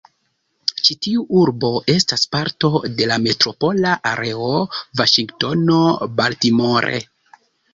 Ĉi-tiu urbo estas parto de la "Metropola Areo Vaŝingtono-Baltimore".